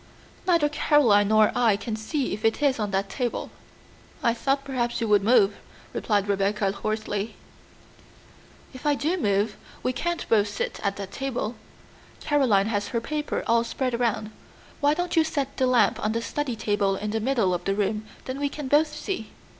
Neither Caroline nor I can see if it is on that table." "I thought perhaps you would move," replied Rebecca hoarsely. "If I do move, we can't both sit at that table. Caroline has her paper all spread around. Why don't you set the lamp on the study table in the middle of the room, then we can both see?"